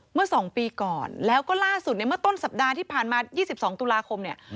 เมื่อ๒ปีก่อนแล้วก็ล่าสุดในเมื่อต้นสัปดาห์ที่ผ่านมา๒๒ตุลาคมเนี่ย